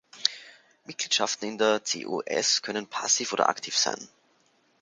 Mitgliedschaften in der CoS können passiv oder aktiv sein.